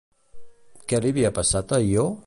Què li havia passat a Io?